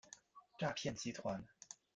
诈骗集团